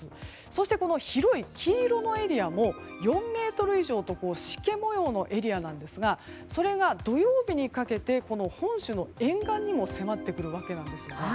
そして広い黄色のエリアも４ｍ以上としけ模様のエリアなんですがそれが土曜日にかけてこの本州の沿岸にも迫ってくるわけなんです。